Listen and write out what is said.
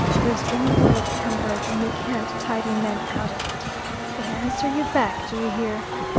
There's one world, Pembroke, and you can't tidy men out of it. They answer you back do you hear?